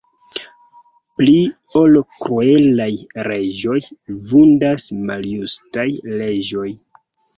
Pli ol kruelaj reĝoj, vundas maljustaj leĝoj.